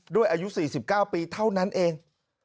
อายุ๔๙ปีเท่านั้นเอง